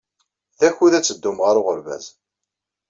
D akud ad teddum ɣer uɣerbaz.